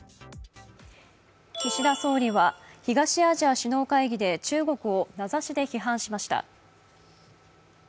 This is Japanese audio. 岸田総理は東アジア首脳会議で中国を名指しで批判しました。